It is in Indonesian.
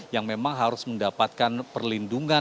yang memang harus mendapatkan perlindungan